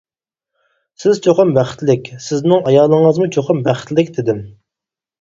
سىز چوقۇم بەختلىك، سىزنىڭ ئايالىڭىزمۇ چوقۇم بەختلىك دېدىم.